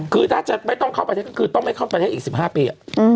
คือถ้าจะไม่ต้องเข้าไปให้ก็คือต้องไม่เข้าไปให้อีก๑๕ปี